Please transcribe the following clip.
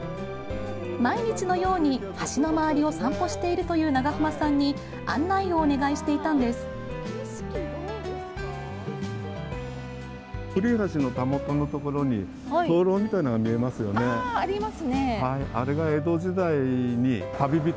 毎日のように橋の周りを散歩しているという長浜さんに案内をお願いしていたんです。